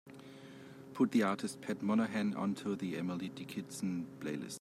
Put the artist Pat Monahan onto the emily dickinson playlist.